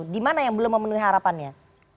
dimana yang belum memenuhi harapannya